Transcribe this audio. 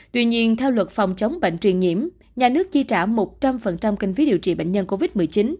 tuy nhiên theo luật phòng chống bệnh truyền nhiễm nhà nước chi trả một trăm linh kinh phí điều trị bệnh nhân covid một mươi chín